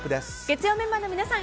月曜メンバーの皆さん